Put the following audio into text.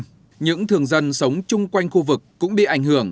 trong năm những thường dân sống chung quanh khu vực cũng bị ảnh hưởng